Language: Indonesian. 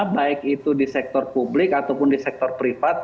baik itu di sektor publik ataupun di sektor privat